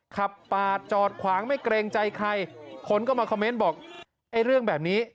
ขับปาดจอดขวางไม่เกรงใจใครคนก็มาคอมเมนต์บอกไอ้เรื่องแบบนี้